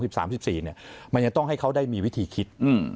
สิบสามสิบสี่เนี้ยมันยังต้องให้เขาได้มีวิธีคิดอืม